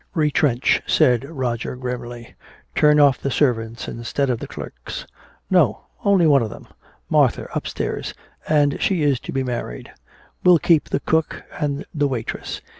"Retrench," said Roger grimly. "Turn off the servants instead of the clerks." "No, only one of them, Martha upstairs and she is to be married. We'll keep the cook and the waitress.